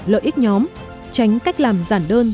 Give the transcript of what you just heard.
lợi ích nhóm tránh cách làm giản đơn